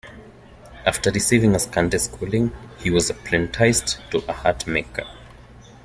After receiving a scanty schooling, he was apprenticed to a hat maker.